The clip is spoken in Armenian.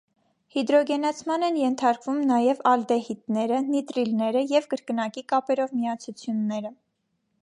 Հիդրոգենացման են ենթարկվում նաև ալդեհիդները, նիտրիլները և կրկնակի կապերով միացությունները։